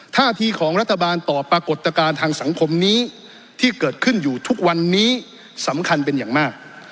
ท่าทีของรัฐบาลต่อปรากฏการณ์ทางสังคมนี้ที่เกิดขึ้นอยู่ทุกวันนี้สำคัญเป็นอย่างมาก